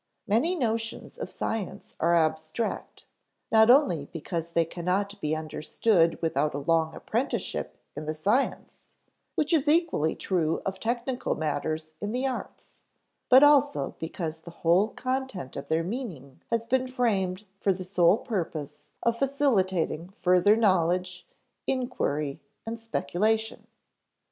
_ Many notions of science are abstract, not only because they cannot be understood without a long apprenticeship in the science (which is equally true of technical matters in the arts), but also because the whole content of their meaning has been framed for the sole purpose of facilitating further knowledge, inquiry, and speculation.